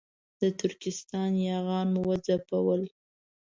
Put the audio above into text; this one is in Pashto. د ترکستان یاغیان مو وځپل.